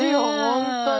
本当に。